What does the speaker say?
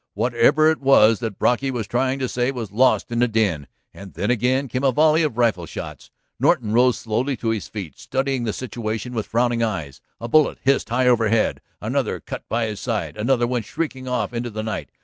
Whatever it was that Brocky was trying to say was lost in the din. And then again came a volley of rifle shots. Norton rose slowly to his feet, studying the situation with frowning eyes. A bullet hissed high overhead, another cut by his side, another went shrieking off into the night.